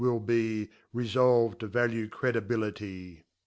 witf be Kefoh'd to 'Value Credibility.